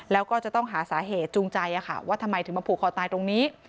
แล้วก็จะต้องหาสาเหตุจูงใจว่าทำไมถึงมาผูกคอตายตรงนี้